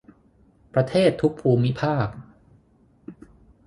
ประเทศทุกภูมิภาค